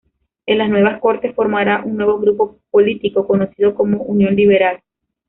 En las nuevas Cortes formará un nuevo grupo político conocido como Unión Liberal.